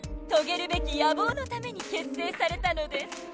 とげるべき野望のために結成されたのです。